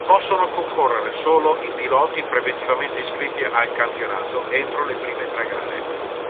Possono concorrere solo i piloti preventivamente iscritti al Campionato, entro le prime tre gare.